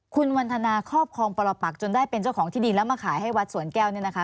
คุณวันทนาครอบครองปรปักจนได้เป็นเจ้าของที่ดินแล้วมาขายให้วัดสวนแก้วเนี่ยนะคะ